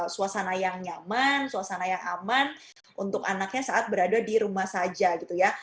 suasana yang nyaman suasana yang aman untuk anaknya saat berada di rumah saja gitu ya